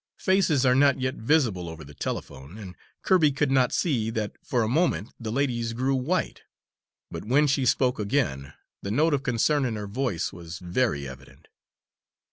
Faces are not yet visible over the telephone, and Kirby could not see that for a moment the lady's grew white. But when she spoke again the note of concern in her voice was very evident.